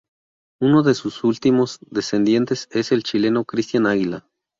Uno de sus últimos descendientes es el chileno Cristián Águila.